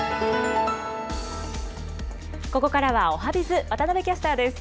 ここからはおはＢｉｚ、渡部キャスターです。